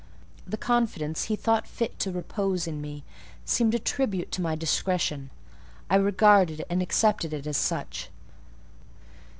The confidence he had thought fit to repose in me seemed a tribute to my discretion: I regarded and accepted it as such.